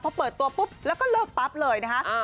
พอเปิดตัวปุ๊บแล้วก็เลิกปั๊บเลยนะคะ